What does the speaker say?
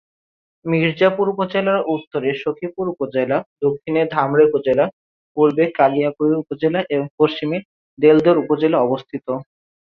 মির্জাপুর উপজেলার উত্তরে সখিপুর উপজেলা, দক্ষিণে ধামরাই উপজেলা, পুর্বে কালিয়াকৈর উপজেলা এবং পশ্চিমে দেলদুয়ার উপজেলা অবস্থিত।